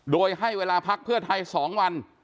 โดยให้เวลาพักเพื่อไทย๒วัน